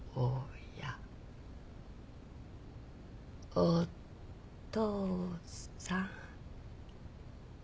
お父さん。